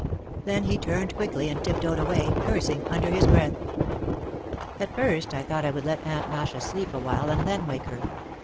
Then he turned quickly and tiptoed away, cursing under his breath. At first I thought I would let Aunt Masha sleep a while and then wake her.